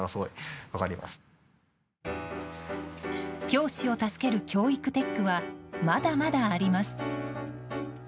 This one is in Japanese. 教師を助ける教育テックはまだまだあります。